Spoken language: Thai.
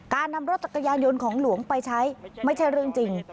การนำรถจักรยานยนต์ของหลวงไปใช้ไม่ใช่เรื่องจริง